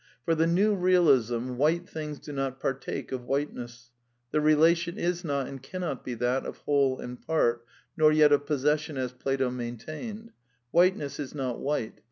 For the New Realism white things do not partake of whiteness ; the relation is not and cannot be that of whole and part, nor yet of possession as Plato maintained. Whiteness is not white.